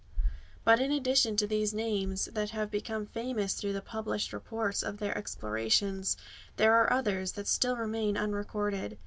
But in addition to these names, that have become famous through the published reports of their explorations, there are others that still remain unrecorded.